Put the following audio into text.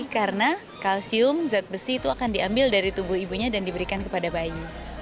karena kalsium zat besi itu akan diambil dari tubuh ibunya dan diberikan kepada bayi